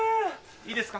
いいですか？